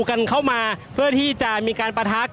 ก็น่าจะมีการเปิดทางให้รถพยาบาลเคลื่อนต่อไปนะครับ